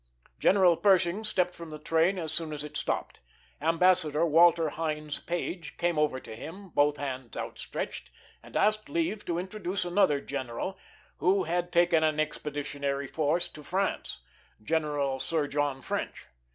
General Pershing stepped from the train as soon as it stopped. Ambassador Walter Hines Page came over to him, both hands outstretched, and asked leave to introduce another general who had taken an Expeditionary Force to France General Sir John French.